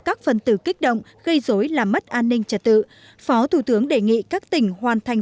các phần tử kích động gây dối làm mất an ninh trật tự phó thủ tướng đề nghị các tỉnh hoàn thành